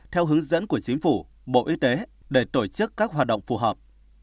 theo hướng dẫn của chính phủ bộ y tế để tổ chức các hoạt động phù hợp